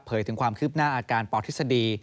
ถึงความคืบหน้าอาการปทฤษฎี